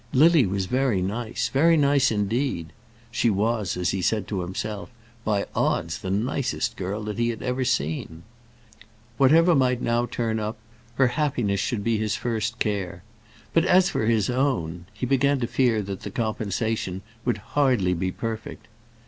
Lily was very nice, very nice indeed. She was, as he said to himself, "by odds, the nicest girl that he had ever seen." Whatever might now turn up, her happiness should be his first care. But as for his own, he began to fear that the compensation would hardly be perfect.